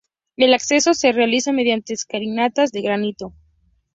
El acceso se realiza mediante escalinatas de granito.